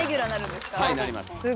はいなります。